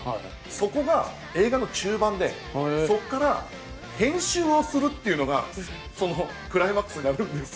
そこが映画の中盤でそこから編集をするっていうのがそのクライマックスになるんですよ。